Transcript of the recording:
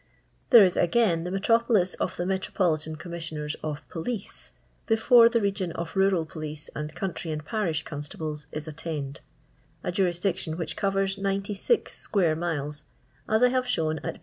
There is, again, the metropolis of the Metropo* litan Commissioners of Police, before the region of rural police and country and parish constables is attained; a jurisdiction which covers 96 square milcs, as I have shown at pp.